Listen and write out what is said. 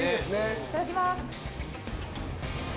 いただきます。